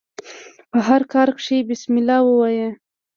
په هر کار کښي بسم الله وايه!